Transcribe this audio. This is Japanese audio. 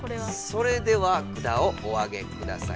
それではふだをおあげください。